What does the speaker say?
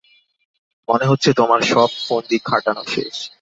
মনে হচ্ছে তোমার সব ফন্দি খাটানো শেষ।